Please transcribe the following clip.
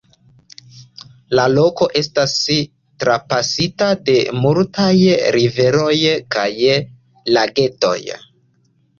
La loko estas trapasita de multaj riveroj kaj lagetoj.